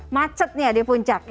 macetnya di puncak